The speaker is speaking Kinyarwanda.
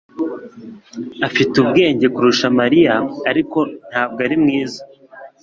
Afite ubwenge kurusha Mariya ariko ntabwo ari mwiza